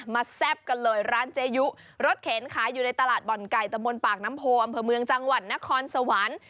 แซ่บกันเลยร้านเจยุรถเข็นขายอยู่ในตลาดบ่อนไก่ตะมนตปากน้ำโพอำเภอเมืองจังหวัดนครสวรรค์